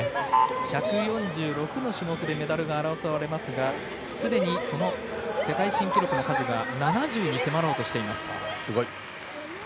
１４６の種目でメダルが争われますがすでにその世界新記録の数が７０に迫ろうとしています。